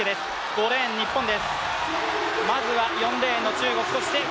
５レーン、日本です。